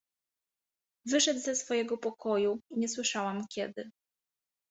"Wyszedł ze swojego pokoju, nie słyszałam kiedy."